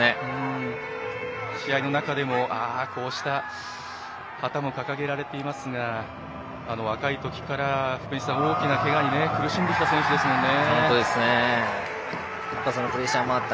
試合の中でもこうした旗も掲げられていますが若い時から大きなけがに苦しんできた選手ですもんね。